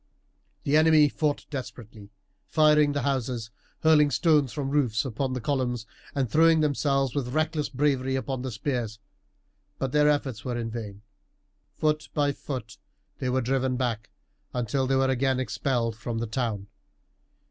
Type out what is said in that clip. The enemy fought desperately, firing the houses, hurling stones from the roofs upon the columns, and throwing themselves with reckless bravery upon the spears, but their efforts were in vain. Foot by foot they were driven back, until they were again expelled from the town.